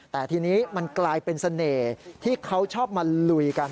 แต่ทีนี้มันกลายเป็นเสน่ห์ที่เขาชอบมาลุยกัน